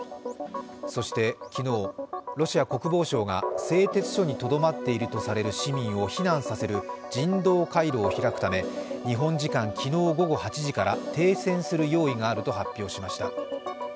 そして、昨日、ロシア国防省が製鉄所にとどまっているとされる市民を避難させる人道回廊を開くため、日本時間昨日午後８時から、停戦する用意があると発表しました。